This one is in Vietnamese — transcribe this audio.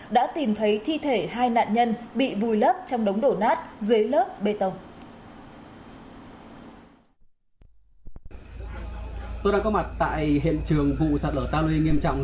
đã tìm thấy thi thể hai nạn nhân bị vùi lấp trong đống đổ nát dưới lớp bê tông